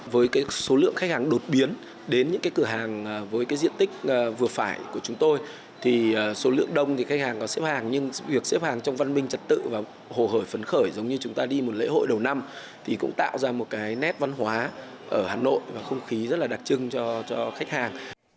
với số lượng khách hàng đột biến đến những cái cửa hàng với cái diện tích vừa phải của chúng tôi thì số lượng đông thì khách hàng có xếp hàng nhưng việc xếp hàng trong văn minh trật tự và hồ hởi phấn khởi giống như chúng ta đi một lễ hội đầu năm thì cũng tạo ra một cái nét văn hóa ở hà nội và không khí rất là đặc trưng cho khách hàng